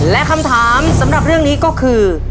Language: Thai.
และคำถามสำหรับเรื่องนี้ก็คือ